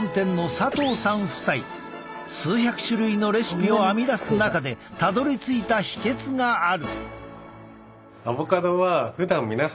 数百種類のレシピを編み出す中でたどりついた秘けつがある。